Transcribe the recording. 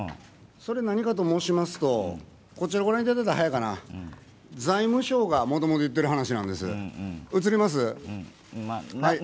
何かといいますとこちらを御覧いただいたら早いかな、財務省がもともと言っている話なんです。